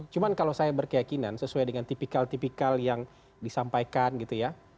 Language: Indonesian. cuma kalau saya berkeyakinan sesuai dengan tipikal tipikal yang disampaikan gitu ya